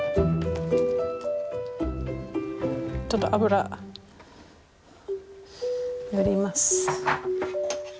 ちょっと油塗ります。